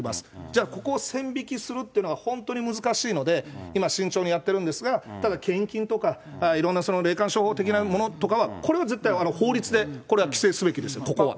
じゃあ、ここを線引きするというのは本当に難しいので、今、慎重にやってるんですが、ただ、献金とかいろんな霊感商法的なものとかは、これは絶対法律でこれは規制すべきですよ、ここは。